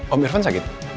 om irfan sakit